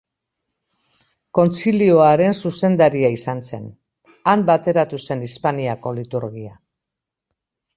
Kontzilioaren zuzendaria izan zen; han bateratu zen Hispaniako liturgia.